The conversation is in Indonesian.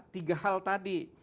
tiga hal tadi